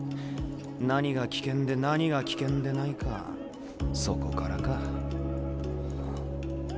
何が危険で何が危険でないかそこからか。